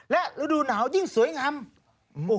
และฤดูหนาวยิ่งสวยงาม